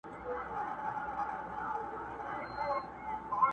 په چا دي ورلېږلي جهاني د قلم اوښکي؛